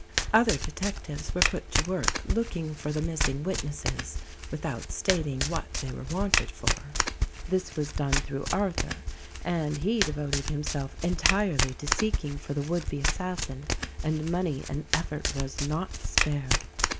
Other detectives were put to work looking for the missing witnesses, without stating what they were wanted for. This was done through Arthur, and he devoted himself entirely to seeking for the would be assassin ; and money and effort was not spared.